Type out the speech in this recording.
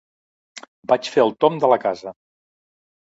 Vaig fer el tomb de la casa.